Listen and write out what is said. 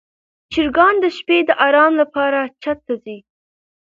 چرګان د شپې د آرام لپاره چت ته ځي.